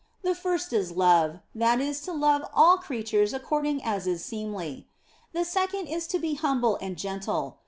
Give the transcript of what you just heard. The first is love ; that is, to love all creatures according as is seemly. The second is to be humble and gentle.